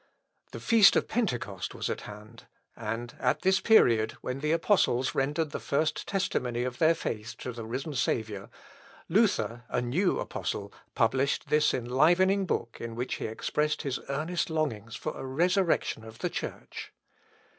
The Feast of Pentecost was at hand; and, at this period, when the apostles rendered the first testimony of their faith to the risen Saviour, Luther, a new apostle, published this enlivening book in which he expressed his earnest longings for a resurrection of the Church.